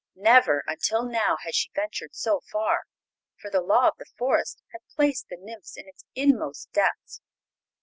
Never until now had she ventured so far, for the Law of the Forest had placed the nymphs in its inmost depths.